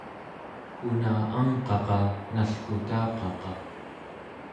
una angqaqa nalkutaqaqa